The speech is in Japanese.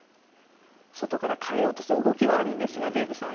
外から変えようとする動きはあるんですがデーブさん